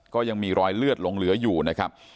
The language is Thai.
ก็ยังมีรอยเลือดลงเหลืออยู่นะครับ